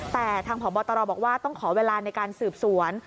แต่ทางผอบตรบอกว่าต้องขอเวลาในการสืบสวน